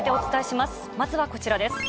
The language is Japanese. まずはこちらです。